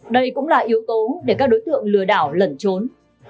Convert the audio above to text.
đây cũng là yếu tố để các đối tượng lừa đảo lẩn trốn